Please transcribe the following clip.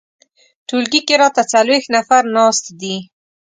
ټولګي کې راته څلویښت نفر ناست دي.